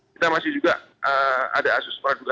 kita masih juga ada asus perang juga